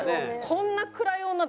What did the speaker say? こんな暗い女